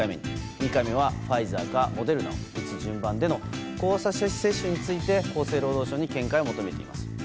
２回目はファイザーかモデルナを打つ順番での交差接種について厚生労働省に見解を求めています。